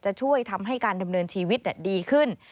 จะช่วยทำให้การดำเนินชีวิตดีขึ้น